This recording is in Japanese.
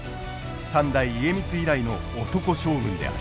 三代家光以来の男将軍である。